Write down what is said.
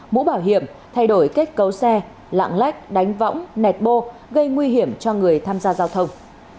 mũ bảo hiểm thay đổi kết cấu xe lạng lách đánh võng nẹt bô gây nguy hiểm cho người tham gia giao thông